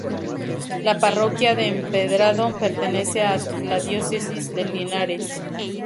La Parroquia de Empedrado pertenece a la Diócesis de Linares.